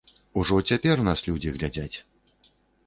Ужо цяпер нас людзі глядзяць.